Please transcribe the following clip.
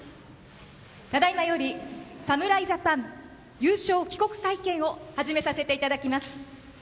ただいまより侍ジャパン優勝帰国会見を始めさせていただきます。